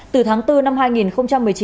từ tháng bốn năm hai nghìn một mươi chín